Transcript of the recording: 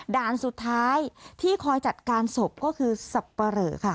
ด่านสุดท้ายที่คอยจัดการสบก็คือสเปรอค่ะ